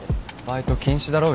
バイト禁止だろ？